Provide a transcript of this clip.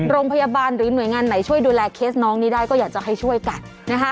โรงพยาบาลหรือหน่วยงานไหนช่วยดูแลเคสน้องนี้ได้ก็อยากจะให้ช่วยกัน